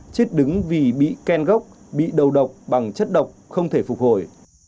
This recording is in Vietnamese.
chết đứng vì bị ken gốc bị đầu độc bằng chất độc không thể phục hồi